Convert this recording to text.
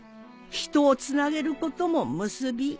人をつなげることもムスビ。